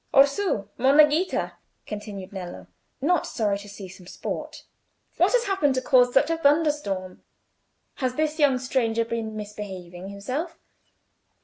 "Orsù! Monna Ghita!" continued Nello, not sorry to see some sport; "what has happened to cause such a thunderstorm? Has this young stranger been misbehaving himself?"